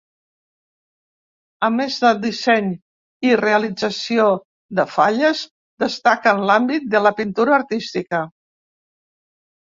A més del disseny i realització de Falles, destaca en l'àmbit de la pintura artística.